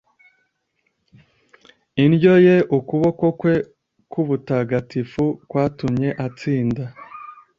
indyo ye, ukuboko kwe k'ubutagatifu byatumye atsinda